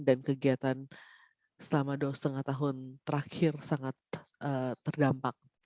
dan kegiatan selama dua lima tahun terakhir sangat terdampak